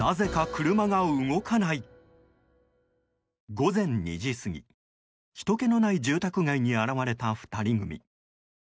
午前２時すぎ、ひとけのない住宅街に現れた２人組。